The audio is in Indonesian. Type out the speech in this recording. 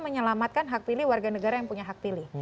menyelamatkan hak pilih warga negara yang punya hak pilih